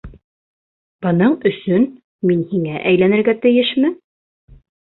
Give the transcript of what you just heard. Бының өсөн мин һиңә әйләнергә тейешме?